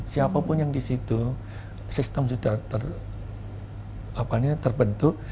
siapapun yang di situ sistem sudah terbentuk